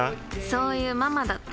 そういうママだって。